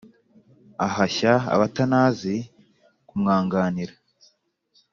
Ahashya abatanazi kumwanganira,